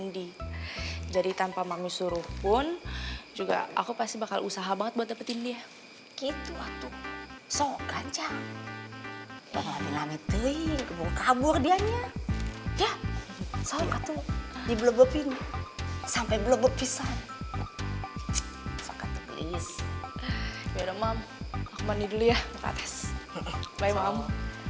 tadi si teh manis suruh saya cari calon istri baru